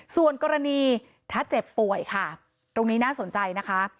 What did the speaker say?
ส่วนกรณีถ้าเจ็บป่วยค่ะตรงนี้น่าสนใจนะคะ